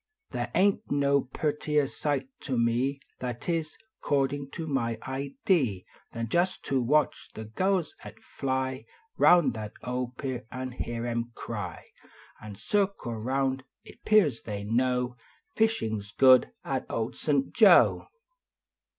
I hev ain t no purtier silt to me That is, cordin to mv idee Than jist to watch the gulls at flv Round that old pier ; an hear em rrv An circle round. II pears they know I ishin s good at ( )ld St. Joe.